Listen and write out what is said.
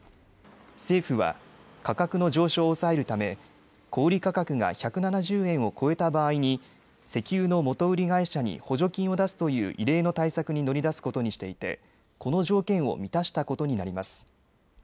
政府は価格の上昇を抑えるため小売価格が１７０円を超えた場合に石油の元売り会社に補助金を出すという異例の対策に乗り出すことにしていてこの条件を満たしたことになります。